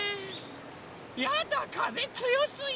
やだかぜつよすぎ！